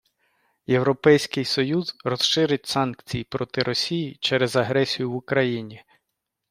Європейський Союз розширить санкції проти Росії через агресію в Україні.